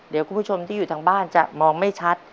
เดี๋ยวคุณผู้ชมที่อยู่ทางบ้านจะมองไม่ชัด